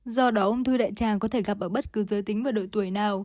do đó ung thư đại trang có thể gặp ở bất cứ giới tính và đội tuổi nào